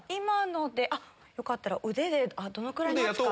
よかったら腕でどのくらいの圧か。